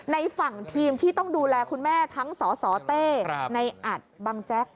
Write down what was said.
ในฝั่งทีมที่ต้องดูแลคุณแม่ทั้งสสเต้ในอัดบังแจ๊ก